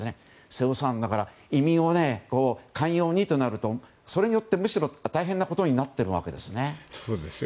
瀬尾さん、だから移民を寛容にとなるとそれによってむしろ大変なことになっているわけですね。